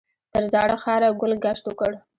تر زاړه ښاره ګل ګشت وکړ.